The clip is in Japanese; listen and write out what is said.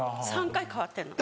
３回変わってんの。